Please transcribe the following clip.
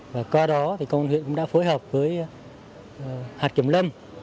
và qua đó thì công an huyện cũng đã phối hợp với hạt kiểm lâm